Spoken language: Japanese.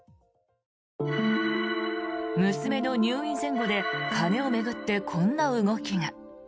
娘の入院前後で金を巡ってこんな動きが。